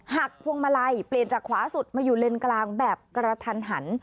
พวงมาลัยเปลี่ยนจากขวาสุดมาอยู่เลนกลางแบบกระทันหัน